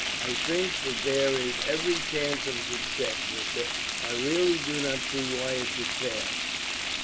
"I think that there is every chance of success, Ritzer. I really do not see why it should fail.